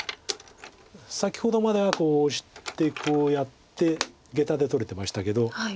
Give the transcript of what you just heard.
先ほどまではこうオシてこうやってゲタで取れてましたけど。